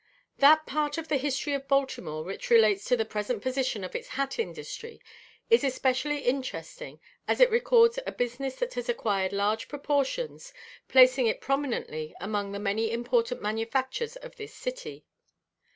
No. 17. That part of the history of Baltimore which relates to the present position of its hat industry is especially interesting, as it records a business that has acquired large proportions, placing it prominently among the many important manufactures of this city.